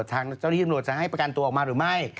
ถ้าจ้าวนี้ทำรวบทางให้ประกันตัวออกมาหรือไม่